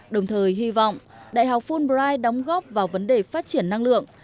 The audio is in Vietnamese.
đồng thời hy vọng đại học fulbright đóng góp vào vấn đề phát triển năng lượng